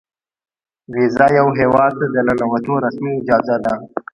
ویزه یو هیواد ته د ننوتو رسمي اجازه ده.